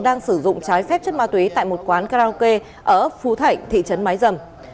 đang sử dụng trái phép chất ma túy tại một quán karaoke ở phú thảnh thị trấn mái dầm